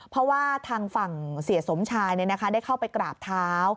เพราะว่าทางฝั่งเสียสมชายได้เข้าไปกราบเท้า